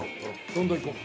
どんどんいこう。